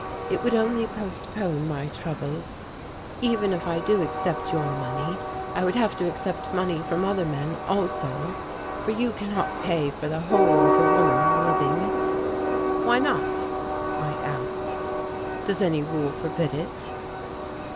"It would only postpone my troubles. Even if I do accept your money, I would have to accept money from other men also, for you cannot pay for the whole of a woman's living." "Why not," I asked, "does any rule forbid it?"